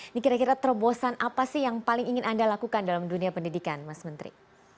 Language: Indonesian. ini kira kira terobosan apa sih yang paling ingin anda lakukan dalam dunia pendidikan mas menteri